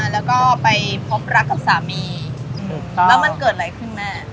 แล้วก็ไปพบรักกับสามีแล้วมันเกิดอะไรขึ้นแม่